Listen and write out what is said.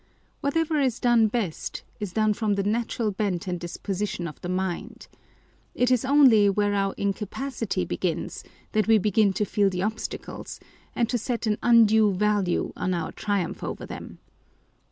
Whatever is done best, is done from the natural bent and disposition of the mind, it is only where our incapacity begins, that we begin to feel the obstacles, and to set an undue value on our triumph over them.